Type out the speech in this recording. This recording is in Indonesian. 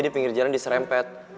di pinggir jalan diserempet